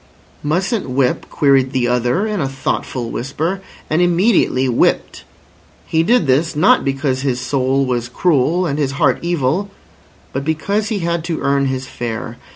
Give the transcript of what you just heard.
"Mustn't whip," queried the other in a thoughtful whisper, and immediately whipped. He did this, not because his soul was cruel and his heart evil, but because he had to earn his fare.